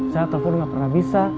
saya telepon nggak pernah bisa